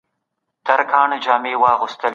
سياست بايد د شخصي ګټو پر ځای ملي وي.